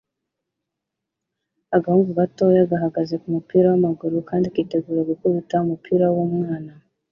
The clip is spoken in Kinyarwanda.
Agahungu gato gahagaze kumupira wamaguru kandi yitegura gukubita umupira wumwana